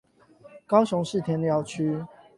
高雄市田寮區